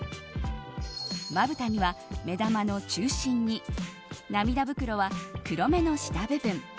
まぶたには目玉の中心に涙袋は黒目の下部分